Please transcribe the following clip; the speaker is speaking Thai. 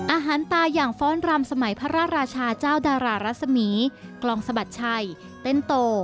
อาหารตาอย่างฟ้อนรำสมัยพระราชาเจ้าดารารัศมีกลองสะบัดชัยเต้นโต